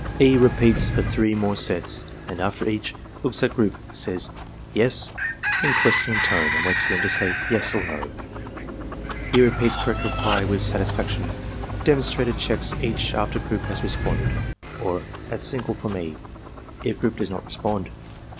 E. repeats for three more sets and after each, looks at group, says "Yes?" in questioning tone and waits for them to say "Yes" or "No." He repeats correct reply with satisfaction. Demonstrator checks each after group has responded, or at signal from E. if group does not respond.